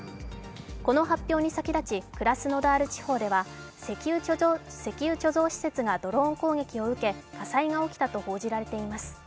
この発表に先立ちクラスノダール地方では、石油貯蔵施設がドローン攻撃を受け火災が起きたと報じられています。